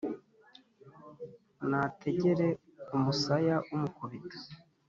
Nategere umusaya umukubita,